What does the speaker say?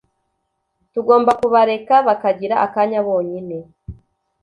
tugomba kubareka bakagira akanya bonyine